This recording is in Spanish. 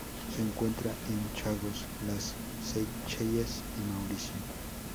Se encuentra en Chagos, las Seychelles y Mauricio.